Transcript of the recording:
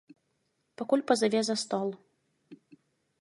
Пакуль пазаве за стол.